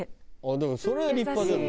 でもそれは立派じゃん。